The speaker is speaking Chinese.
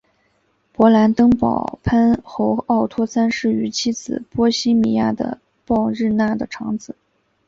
勃兰登堡藩侯奥托三世与妻子波希米亚的鲍日娜的长子。